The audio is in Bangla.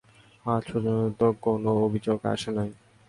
আজ পর্যন্ত তো কোনো আভিযোগ আসে নাই।